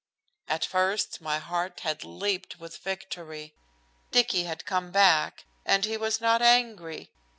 At first my heart had leaped with victory. Dicky had come back, and he was not angry.